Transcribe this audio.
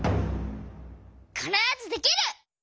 「かならずできる！」。